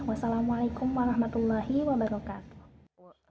wassalamualaikum warahmatullahi wabarakatuh